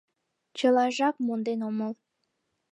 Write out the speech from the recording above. Чылажак монден омыл.